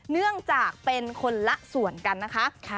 เนื่องจากเป็นคนละส่วนกันนะคะ